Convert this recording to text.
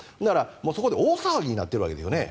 そこで大騒ぎになっているわけですよね。